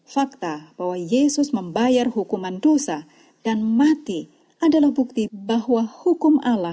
fakta bahwa yesus membayar hukuman dosa dan mati adalah bukti bahwa hukum allah